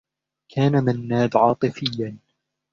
كان منّاد عاطفيّا.